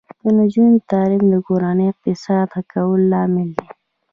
د نجونو تعلیم د کورنۍ اقتصاد ښه کولو لامل دی.